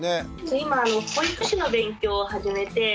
今保育士の勉強を始めて。